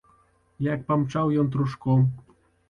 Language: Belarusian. Як памчаў ён трушком!